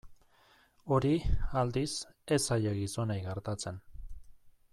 Hori, aldiz, ez zaie gizonei gertatzen.